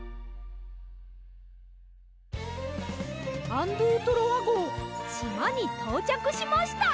アン・ドゥ・トロワごうしまにとうちゃくしました！